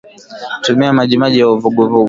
tumia maji ya uvuguvugu